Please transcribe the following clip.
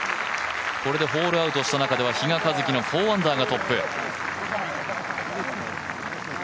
これでホールアウトした中では比嘉一貴の４アンダーがトップ。